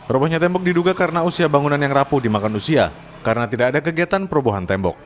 robohnya tembok diduga karena usia bangunan yang rapuh dimakan usia karena tidak ada kegiatan perobohan tembok